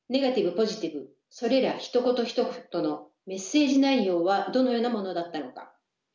ポジティブそれらひと言ひと言のメッセージ内容はどのようなものだったのか？